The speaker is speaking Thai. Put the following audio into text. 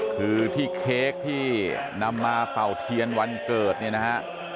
คือที่เค้กที่นำมาเป่าเทียนวันเกิดเนี่ยนะฮะ